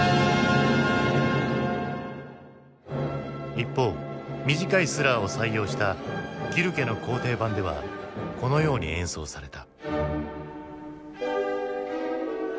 一方短いスラーを採用したギュルケの校訂版ではこのように演奏された。